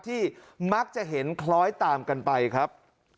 ที่มักจะเห็นคล้อยตามกันไปครับ